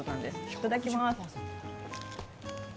いただきまーす。